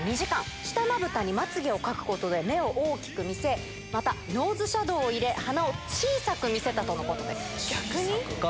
下まぶたにまつげを描くことで、目を大きく見せ、またノーズシャドーを入れ、鼻を小さく見せたと逆に？